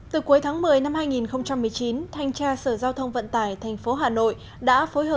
từ cuối tháng một mươi năm hai nghìn một mươi chín thanh tra sở dụng máy atm tại các tụ điểm giải trí